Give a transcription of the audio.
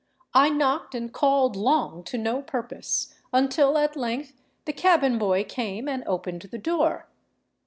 I knocked and called long to no purpose, until at length the cabin boy came and opened the door.